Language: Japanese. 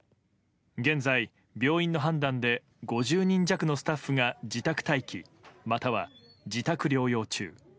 現在、病院の判断で５０人弱のスタッフが自宅待機または、自宅療養中。